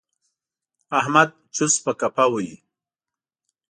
احمد چوس په کفه وهي.